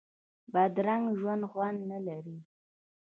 بدرنګه ژوند خوند نه لري